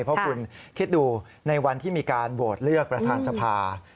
เพราะคุณคิดดูในวันที่มีการโหวตเลือกประธานสภา